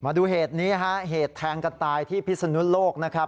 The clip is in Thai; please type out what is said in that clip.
มาดูเหตุนี้ฮะเหตุแทงกันตายที่พิศนุโลกนะครับ